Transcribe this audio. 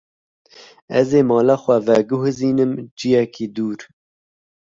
Ez ê mala xwe veguhezînim ciyekî dûr.